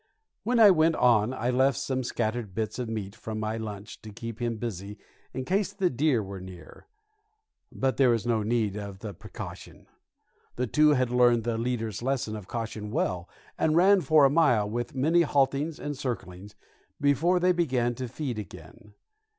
When I went on I left some scattered bits of meat from my lunch to keep him busy in case the deer were near; but there was no need of the precaution. The two had learned the leader's lesson of caution well, and ran for a mile, with many haltings and circlings, before they began to feed again.